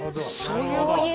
そういうこと！